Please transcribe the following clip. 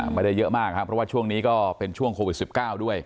ไม่ได้เยอะมากครับเพราะว่าช่วงนี้ก็เป็นช่วงโควิด๑๙ด้วย